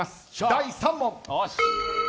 第３問。